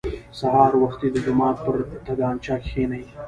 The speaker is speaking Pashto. سهار وختي د جومات پر تنګاچه کښېني.